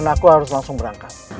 aku harus langsung berangkat